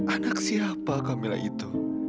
anak siapa kamila itu